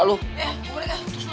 terus duluan ya